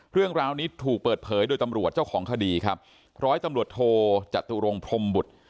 เรื่องราวนี้ถูกเปิดเผยโดยตำรวจเจ้าของคดีครับร้อยตำรวจโทจตุรงพรมบุตร